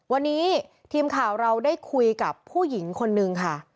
วันนี้ทีมข่าวเราได้คุยกับผู้หญิงคนนึงค่ะ